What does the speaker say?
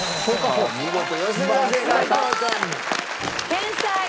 天才！